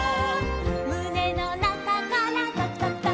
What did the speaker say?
「むねのなかからとくとくとく」